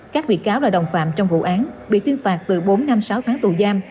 các bị cáo là đồng phạm trong vụ án bị tuyên phạt từ bốn năm sáu tháng tù giam